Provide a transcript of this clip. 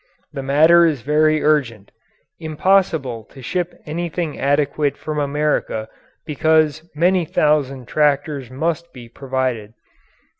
The matter is very urgent. Impossible to ship anything adequate from America because many thousand tractors must be provided.